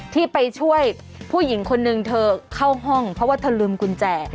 ที่ไปช่วยผู้หญิงคนนึงเธอเข้าห้องเพราะว่าเธอลืมกุญแจ